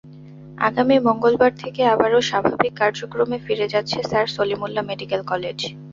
আগামী মঙ্গলবার থেকে আবারও স্বাভাবিক কার্যক্রমে ফিরে যাচ্ছে স্যার সলিমুল্লাহ মেডিকেল কলেজ।